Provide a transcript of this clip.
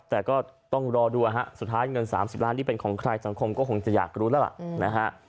แต่ก็ต้องรอดูสุดท้ายเงิน๓๐ล้านนี่เป็นของใครสังคมก็คงจะอยากรู้แล้วล่ะนะฮะ